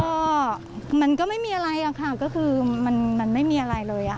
ก็มันก็ไม่มีอะไรอะค่ะก็คือมันไม่มีอะไรเลย